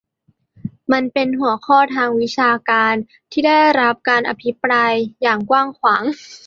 มันเป็นหัวข้อทางวิชาการที่ได้รับการอภิปรายอย่างกว้างขวาง